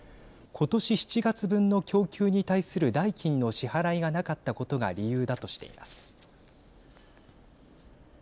今年７月分の供給に対する代金の支払いがなかったことが理由だとしています。